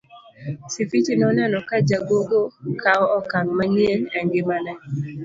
Sifichi noneno ka jagogo kawo okang' manyien e ngimane.